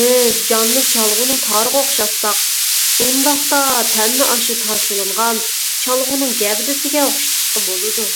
بىز جاننى چالغۇنىڭ تارىغا ئوخشاتساق، ئۇنداقتا، تەننى ئاشۇ تار سېلىنغان چالغۇنىڭ گەۋدىسىگە ئوخشىتىشقا بولىدۇ.